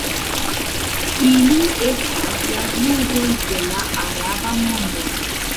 Ili estas la judoj de la araba mondo.